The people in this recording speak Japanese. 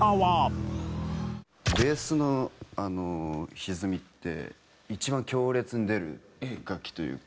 ベースのあの歪みって一番強烈に出る楽器というか。